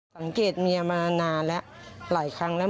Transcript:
สังเกตเมียมานานแล้วหลายครั้งแล้ว